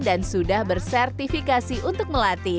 dan sudah bersertifikasi untuk melatih